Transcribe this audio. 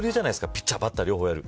ピッチャー、バッター両方やる。